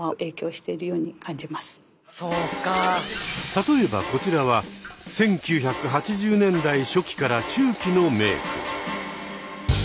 例えばこちらは１９８０年代初期から中期のメーク。